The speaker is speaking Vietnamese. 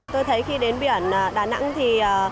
tôi thấy khi đến biển đà nẵng thì